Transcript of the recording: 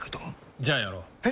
じゃあやろう。え？